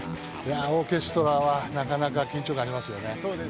オーケストラはなかなか緊張感ありますよね。